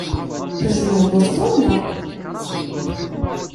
Tejjmeḍ Boston, naɣ?